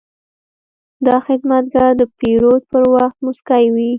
دا خدمتګر د پیرود پر وخت موسکی وي.